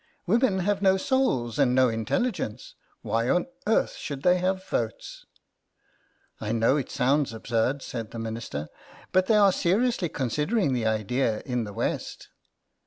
Women have no souls and no intelligence; why on earth should they have votes ?"" I know it sounds absurd," said the Minister, " but they are seriously considering the idea in the West."